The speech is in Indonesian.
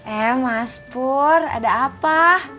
eh maspur ada apa